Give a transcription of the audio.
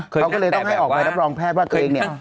เขาก็เลยต้องให้ออกใบรับรองแพทย์ว่าตัวเองเนี่ย